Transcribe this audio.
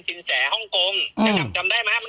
จินแสห้องคงในทาสน้ำ